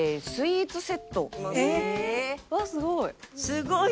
すごい！